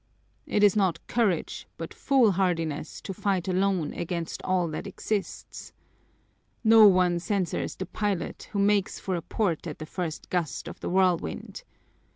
It is not courage, but foolhardiness, to fight alone against all that exists. No one censures the pilot who makes for a port at the first gust of the whirlwind.